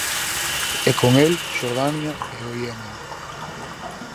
E con el Xordania e o Iemen.